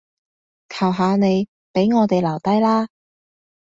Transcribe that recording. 求下你，畀我哋留低啦